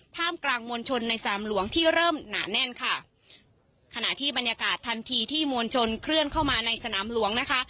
ท่ามกลางมวลชนในสนามหลวงที่เริ่มหนาแน่นค่ะขณะที่บรรยากาศทันทีที่มวลชนเคลื่อนเข้ามาในสนามหลวงนะคะ